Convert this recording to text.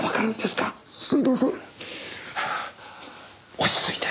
落ち着いて。